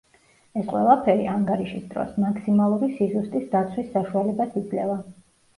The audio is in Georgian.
ეს ყველაფერი, ანგარიშის დროს, მაქსიმალური სიზუსტის დაცვის საშუალებას იძლევა.